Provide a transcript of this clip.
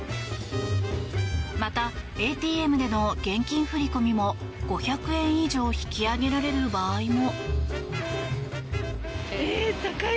また、ＡＴＭでの現金振り込みも５００円以上引き上げられる場合も。